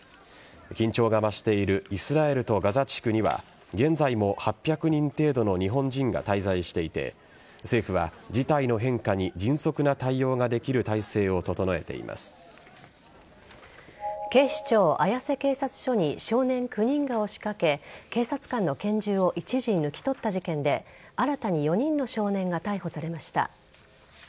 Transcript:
緊張が増しているイスラエルとガザ地区には現在も、８００人程度の日本人が滞在していて政府は事態の変化に迅速な対応ができる態勢を警視庁綾瀬警察署に少年９人が押しかけ警察官の拳銃を一時、抜き取った事件で新たに４人の少年が逮捕されました。